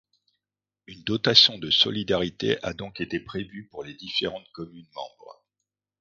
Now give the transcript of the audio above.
Une dotation de solidarité a donc été prévue pour les différentes communes membres.